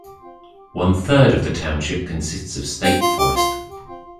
One-third of the township consists of State Forest.